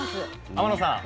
天野さん